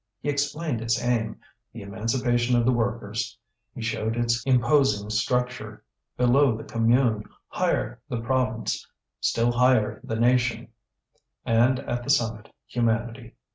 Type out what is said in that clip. He explained its aim, the emancipation of the workers; he showed its imposing structure below the commune, higher the province, still higher the nation, and at the summit humanity.